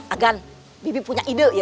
agan bibita punya ide ya